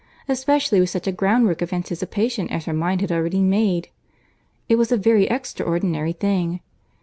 —especially with such a groundwork of anticipation as her mind had already made. It was a very extraordinary thing!